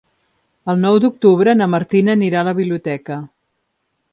El nou d'octubre na Martina anirà a la biblioteca.